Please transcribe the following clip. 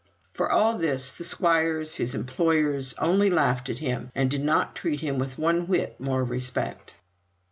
For all this, the squires, his employers, only laughed at him and did not treat him with one whit more respect.